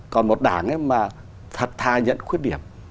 còn một đảng mà thật tha nhận khuyết điểm